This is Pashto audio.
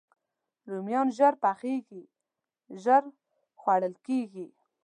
رومیان ژر پخېږي، ژر خوړل کېږي